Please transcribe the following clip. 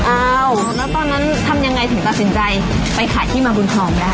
อ้าวแล้วตอนนั้นทำยังไงถึงตัดสินใจไปขายที่มาบุญทองได้